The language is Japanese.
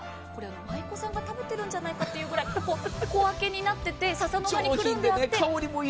舞妓さんが食べてるんじゃないかというくらい小分けになっていて笹の葉にくるんであって。